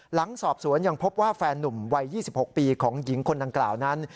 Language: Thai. หลังสอบสวนยังพบว่าแฟนนุ่มวัย๒๖ปีของหญิงคนดังกล่าวนั้น